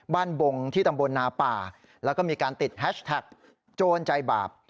บงที่ตำบลนาป่าแล้วก็มีการติดแฮชแท็กโจรใจบาป